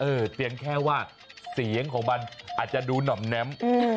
เพียงแค่ว่าเสียงของมันอาจจะดูหน่อมแน้ม